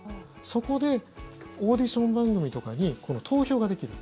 そこでオーディション番組とかに投票ができる。